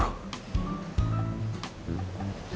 ya kamu mundur saja